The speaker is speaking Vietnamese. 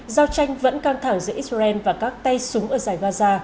giao tranh vẫn căng thẳng giữa israel và các tay súng ở giải gaza